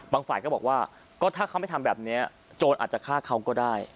บางฝ่ายก็บอกถ้าผมไม่ทำแบบนี้โจรอาจจะฆ่าเขาก็ได้